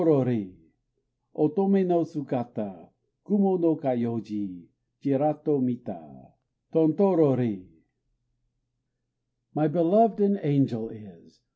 _ Otomé no sugata Kumo no kayoiji Chirato mita! Tontorori! My beloved an angel is!